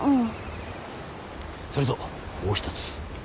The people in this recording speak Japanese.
それともう一つ。